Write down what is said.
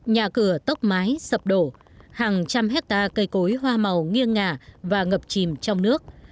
nhà cửa tốc mái sập đổ hàng trăm hectare cây cối hoa màu nghiêng ngả và ngập chìm trong nước